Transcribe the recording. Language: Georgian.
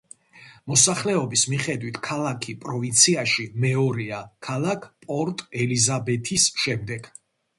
მოსახლეობის მიხედვით ქალაქი პროვინციაში მეორეა ქალაქ პორტ-ელიზაბეთის შემდეგ.